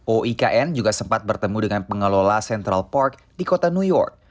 oikn juga sempat bertemu dengan pengelola central park di kota new york